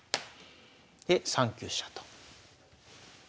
で３九飛車と。